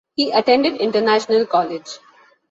He attended International College.